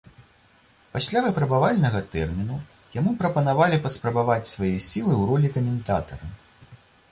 Пасля выпрабавальнага тэрміну яму прапанавалі паспрабаваць свае сілы ў ролі каментатара.